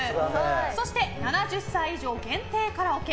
そして７０歳以上限定カラオケ！